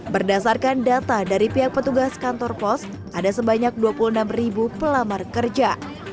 berdasarkan data dari pihak petugas kantor pos ada sebanyak dua puluh enam pelamar kerja